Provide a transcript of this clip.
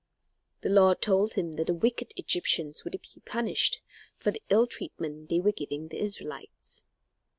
The Lord told him that the wicked Egyptians would be punished for the ill treatment they were giving the Israelites.